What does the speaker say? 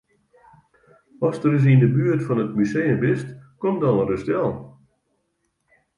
Ast ris yn 'e buert fan it museum bist, kom dan ris del.